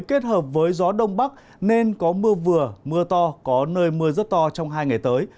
kết hợp với gió đông bắc nên có mưa vừa mưa to có nơi mưa rất to trong hai ngày tới